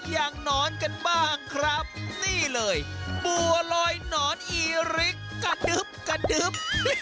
หนอนกันบ้างครับนี่เลยบัวลอยหนอนอีริกกระดึบกระดึบ